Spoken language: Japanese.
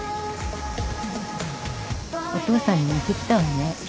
お父さんに似てきたわね。